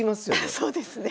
そうですね。